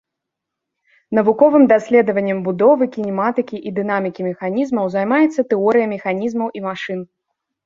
Навуковым даследаваннем будовы, кінематыкі і дынамікі механізмаў займаецца тэорыя механізмаў і машын.